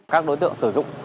các đối tượng sử dụng